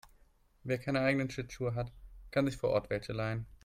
Wer keine eigenen Schlittschuhe hat, kann sich vor Ort welche leihen.